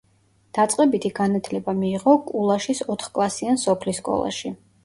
დაწყებითი განათლება მიიღო კულაშის ოთხკლასიან სოფლის სკოლაში.